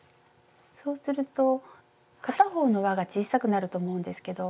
そうすると片方のわが小さくなると思うんですけど。